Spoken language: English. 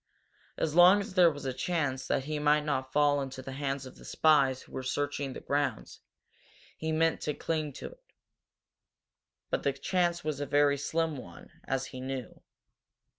As long as there was a chance that he might not fall into the hands of the spies who were searching the grounds, he meant to cling to it. But the chance was a very slim one, as he knew.